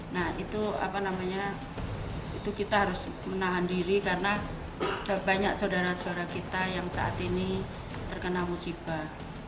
nah itu apa namanya itu kita harus menahan diri karena sebanyak saudara saudara kita yang saat ini terkena musibah